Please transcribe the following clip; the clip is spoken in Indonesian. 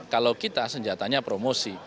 kalau kita senjatanya promosi